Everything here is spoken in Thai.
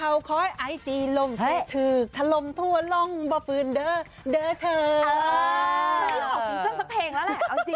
ไม่จะเล่าถึงซักเพลงมาล่ะ